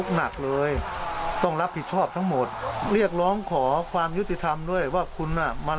หากินไปวันแล้วขายของก็ไม่ค่อยได้